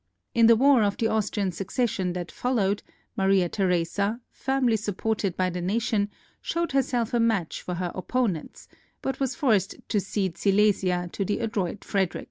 In the War of the Austrian Succession that followed, Maria Theresa, firmly supported by the nation, showed herself a match for her op ponents, but was forced to cede Silesia to the adroit Frederic.